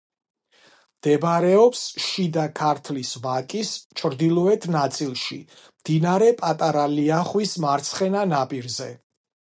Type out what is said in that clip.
მდებარეობს შიდა ქართლის ვაკის ჩრდილოეთ ნაწილში, მდინარე პატარა ლიახვის მარცხენა ნაპირზე.